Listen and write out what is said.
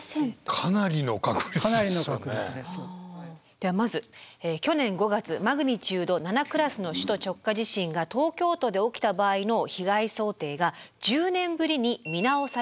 ではまず去年５月マグニチュード７クラスの首都直下地震が東京都で起きた場合の被害想定が１０年ぶりに見直されました。